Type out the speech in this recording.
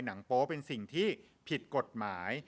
โป๊เป็นสิ่งที่ผิดกฎหมาย